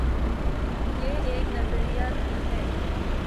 یہ ایک نظریہ بھی ہے۔